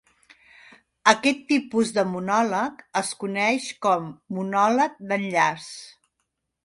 Aquest tipus de monòleg es coneix com monòleg d'enllaç.